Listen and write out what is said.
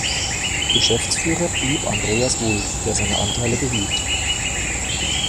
Geschäftsführer blieb Andreas Wulf, der seine Anteile behielt.